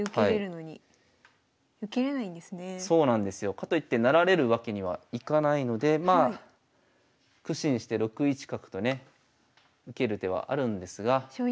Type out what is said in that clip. かといって成られるわけにはいかないので苦心して６一角とね受ける手はあるんですが。